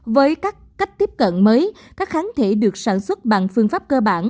với các cách tiếp cận mới các kháng thể được sản xuất bằng phương pháp cơ bản